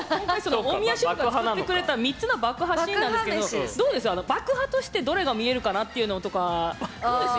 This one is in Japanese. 大宮シェフが作ってくれた３つの爆破シーンなんですけど爆破としてどれが見えるかなっていうのとかどうです？